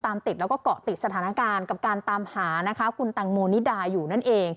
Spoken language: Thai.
ติดแล้วก็เกาะติดสถานการณ์กับการตามหานะคะคุณตังโมนิดาอยู่นั่นเอง